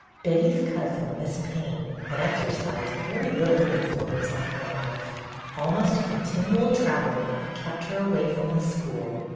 Betty's cousin. Miss Payne, had exercised very little influence on her life. Almost con tinual travelling had kept her away from the school.